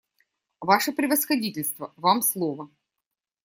Ваше Превосходительство, вам слово.